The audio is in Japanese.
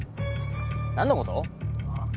何のこと？